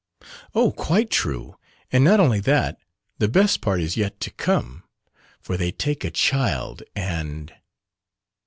"Oh, quite true, and not only that, the best part is yet to come; for they take a child and